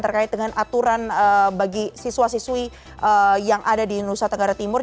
terkait dengan aturan bagi siswa siswi yang ada di nusa tenggara timur